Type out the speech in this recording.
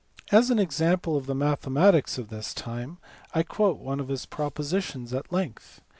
As an example of the mathematics of this time I quote one of his propositions at length.